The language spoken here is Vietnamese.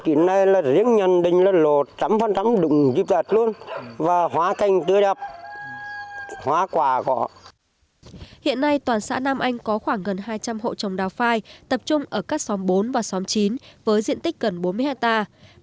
hiện nay toàn xã nam anh có khoảng gần hai trăm linh hộ trồng đào phai tập trung ở các xóm bốn và xóm chín với diện tích gần bốn mươi hectare